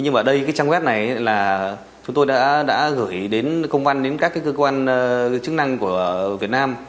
nhưng mà ở đây trang web này là chúng tôi đã gửi công văn đến các cơ quan chứng năng của việt nam